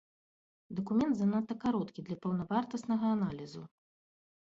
Дакумент занадта кароткі для паўнавартаснага аналізу.